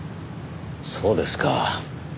そうですか。